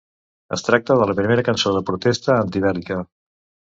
Es tracta de la primera cançó de protesta antibèl·lica.